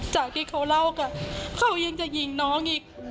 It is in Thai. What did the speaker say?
จากที่เขาเล่ากันเขายังจะยิงน้องอีก